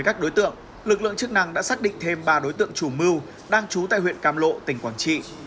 cơ quan chức năng đã xác định thêm ba đối tượng chủ mưu đang trú tại huyện cam lộ tỉnh quảng trị